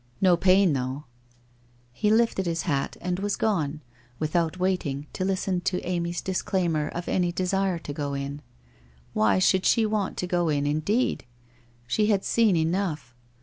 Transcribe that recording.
No pain though !' He lifted his hat and was gone, without waiting to listen to Amy's disclaimer of any desire to go in. Why should she want to go in, indeed? She had seen enough.